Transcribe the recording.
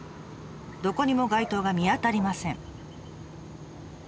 どこにも外灯が見当たりません。